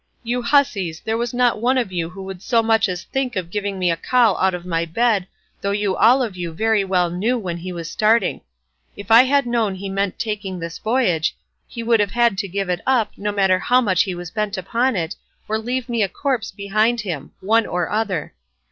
You hussies, there was not one of you would so much as think of giving me a call out of my bed, though you all of you very well knew when he was starting. If I had known he meant taking this voyage, he would have had to give it up, no matter how much he was bent upon it, or leave me a corpse behind him—one or other.